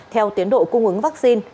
theo tiến độ cung ứng vaccine